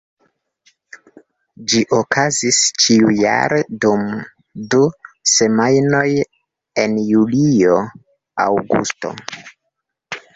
Ĝi okazis ĉiujare dum du semajnoj en julio-aŭgusto.